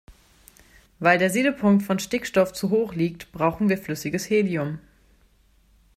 Weil der Siedepunkt von Stickstoff zu hoch liegt, brauchen wir flüssiges Helium.